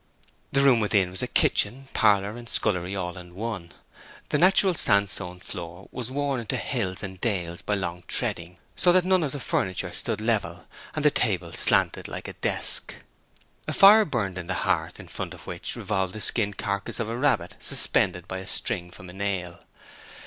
The room within was kitchen, parlor, and scullery all in one; the natural sandstone floor was worn into hills and dales by long treading, so that none of the furniture stood level, and the table slanted like a desk. A fire burned on the hearth, in front of which revolved the skinned carcass of a rabbit, suspended by a string from a nail.